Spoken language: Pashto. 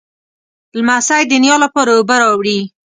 لمسی د نیا لپاره اوبه راوړي.